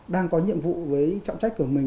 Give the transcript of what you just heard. đang có nhiệm vụ với trọng trách của mình